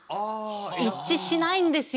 一致しないんですよ